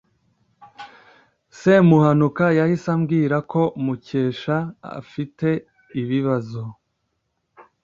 semuhanuka yahise abwira ko mukesha afite ibibazo